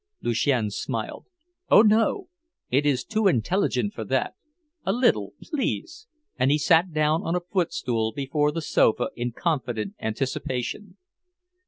Lucien smiled. "Oh, no! It is too intelligent for that. A little, please," and he sat down on a footstool before the sofa in confident anticipation.